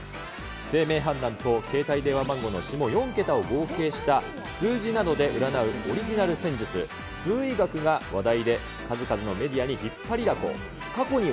姓名判断と携帯電話番号の下４桁を合計した数字などで占うオリジナル占術、数意学が話題で、数々のメディアに引っ張りだこ。